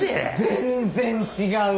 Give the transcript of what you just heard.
全然違う！